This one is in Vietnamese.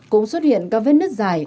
cũng xuất hiện các vết nứt dài